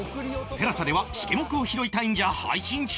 ＴＥＬＡＳＡ ではシケモクを拾いたいんじゃ！！配信中！